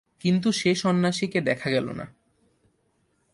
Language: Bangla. কিন্তু সে সন্ন্যাসীকে দেখা গেল না।